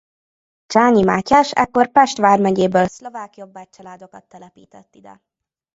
Csányi Mátyás ekkor Pest vármegyéből szlovák jobbágy családokat telepített ide.